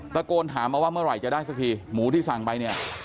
ตะโกนถามมาว่าเมื่อไหร่จะได้สักทีหมูที่สั่งไปเนี่ย